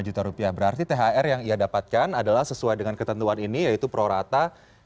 dua juta rupiah berarti thr yang ia dapatkan adalah sesuai dengan ketentuan ini yaitu pro rata